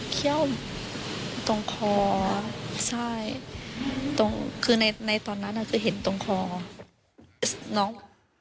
คือในตอนนั้นคือเห็นตรงคอ